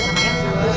satu dua tiga